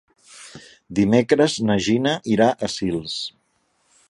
Dimecres na Gina irà a Sils.